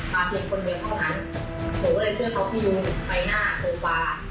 เพียงคนเดียวเท่านั้นหนูก็เลยเชื่อเขาพี่ยุงใบหน้าโซฟา